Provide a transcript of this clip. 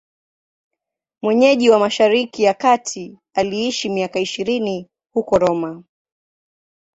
Mwenyeji wa Mashariki ya Kati, aliishi miaka ishirini huko Roma.